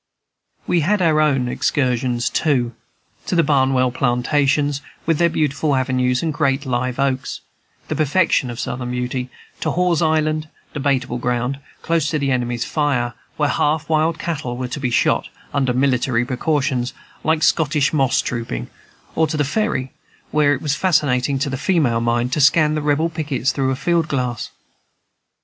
We had our own excursions too, to the Barnwell plantations, with their beautiful avenues and great live oaks, the perfection of Southern beauty, to Hall's Island, debatable ground, close under the enemy's fire, where half wild cattle were to be shot, under military precautions, like Scottish moss trooping, or to the ferry, where it was fascinating to the female mind to scan the Rebel pickets through a field glass.